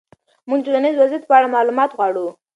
موږ د ټولنیز وضعیت په اړه معلومات غواړو.